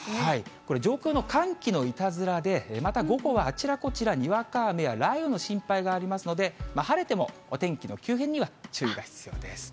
これ、上空の寒気のいたずらで、また午後はあちらこちら、にわか雨や雷雨の心配がありますので、晴れてもお天気の急変には注意が必要です。